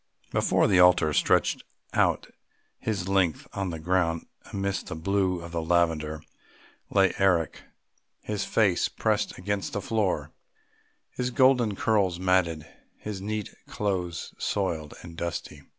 Before the altar, stretched out all his length on the ground amongst the blue of the lavender, lay Eric, his face pressed against the floor, his golden curls matted, his neat clothes soiled and dusty.